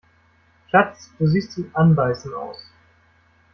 Schatz, du siehst zum Anbeißen aus!